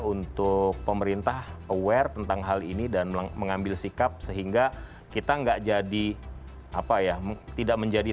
untuk pemerintah aware tentang hal ini dan mengambil sikap sehingga kita enggak jadi apa ya tidak menjadi